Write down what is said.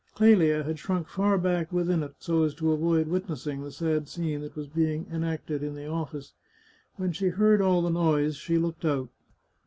Clelia had shrunk far back within it, so as to avoid witnessing the sad scene that was being en acted in the office. When she heard all the noise she looked out.